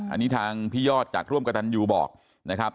อันนี้ทางพี่ยอดจากร่วมกระตันยูบอกนะครับ